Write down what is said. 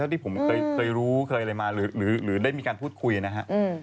ที่ผมเคยรู้เคยอะไรมาหรือได้มีการพูดคุยนะฮะ